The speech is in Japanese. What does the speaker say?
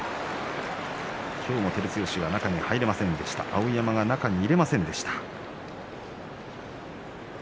今日も照強は中に入れませんでした碧山が入れませんでした。